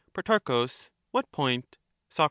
Pro. What point? Soc.